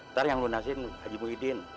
ntar yang lunasin haji muhyiddin